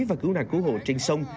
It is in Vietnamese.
và cứu nạn cứu hộ trên sông